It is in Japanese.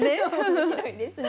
面白いですね。